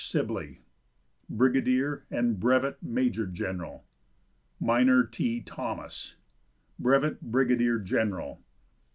Sibley, Brigadier and Brevet Major General. Minor T. Thomas, Brevet Brigadier General.